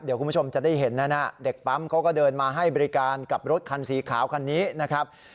เดี๋ยวคุณผู้ชมจะได้เห็นนั้นเด็กปั๊มเขาก็เดินมาให้บริการกับรถคันสีขาวคันนี้นะครับ